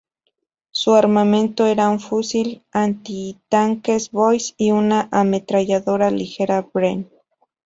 Su armamento era un fusil antitanque Boys y una ametralladora ligera Bren.